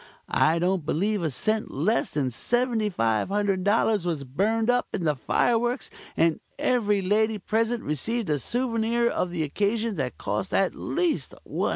I don't believe a cent less than $7,500 was burned up in the fire works, and every lady present received a souvenir of the occasion that cost at least $100."